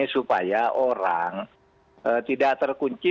supaya orang tidak terkunci